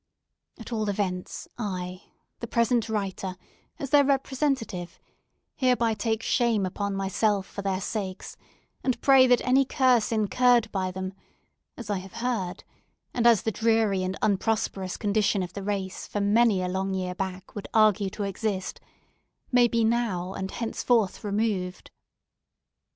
At all events, I, the present writer, as their representative, hereby take shame upon myself for their sakes, and pray that any curse incurred by them—as I have heard, and as the dreary and unprosperous condition of the race, for many a long year back, would argue to exist—may be now and henceforth removed.